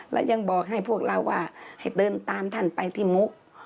แล้วยังบอกให้พวกเราว่าให้เดินตามท่านไปที่มุก